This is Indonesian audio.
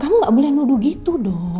kamu gak boleh nuduh gitu dong